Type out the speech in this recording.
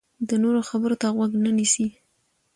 د نورو خبرو ته غوږ نه نیسي.